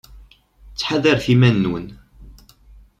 Ttḥadaret iman-nwen.